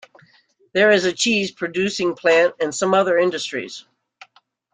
There is a cheese producing plant and some other industries.